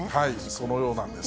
そのようなんですね。